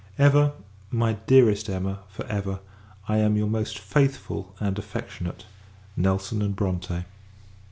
Ever, my dearest Emma, for ever, I am your most faithful, and affectionate NELSON & BRONTE.